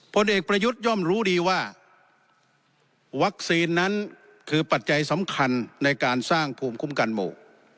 ผลเอกประยุทธ์ย่อมรู้ดีว่าวัคซีนนั้นคือปัจจัยสำคัญในการสร้างภูมิคุ้มกันหมู่